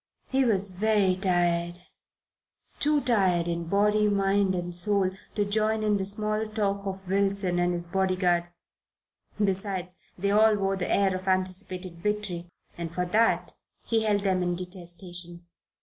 He was very tired, too tired in body, mind and soul to join in the small talk of Wilson and his bodyguard. Besides, they all wore the air of anticipated victory, and for that he held them in detestation.